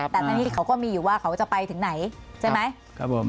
แต่ทั้งนี้เขาก็มีอยู่ว่าเขาจะไปถึงไหนใช่ไหม